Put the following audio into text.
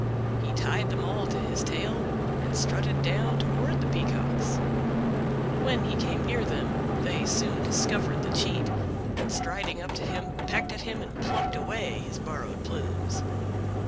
He tied them all to his tail and strutted down toward the Peacocks. When he came near them they soon discovered the cheat, and striding up to him pecked at him and plucked away his borrowed plumes.